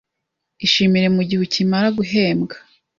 Ishimire mugihe ukimara guhembwa.